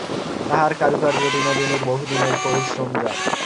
তাহার কারুকার্য বিনোদিনীর বহুদিনের পরিশ্রমজাত।